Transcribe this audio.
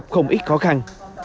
không ít khó khăn